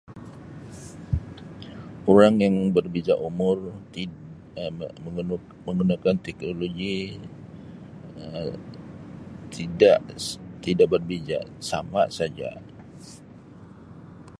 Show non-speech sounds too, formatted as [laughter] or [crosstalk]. Orang yang berbeza umur [unintelligible] menggunakan teknologi Um tidak tidak berbeza sama saja.